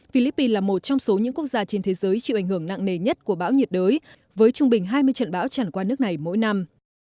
philippines là một trong số những quốc gia trên thế giới chịu ảnh hưởng nặng nề nhất của bão nhiệt đới với trung bình hai mươi trận bão chẳng qua nước này mỗi năm